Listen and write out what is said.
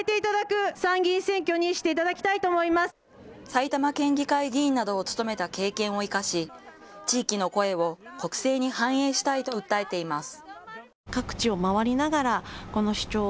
埼玉県議会議員などを務めた経験を生かし、地域の声を国政に反映したいと訴えています。